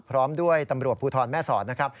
พร้อมด้วยตำรวจภูทรแม่สอดนะครับ